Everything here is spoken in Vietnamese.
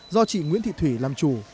do chị nguyễn thị thủy làm chủ